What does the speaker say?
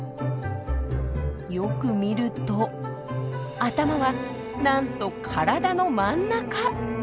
よく見ると頭はなんと体の真ん中！